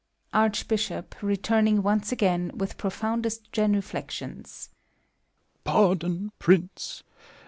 ARCHB^HOP (returning once again, with profoundest genuflections) . Pardon, Prince